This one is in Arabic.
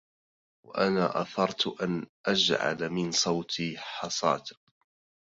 وأنا آثرت أن أجعل من صوتي حصاة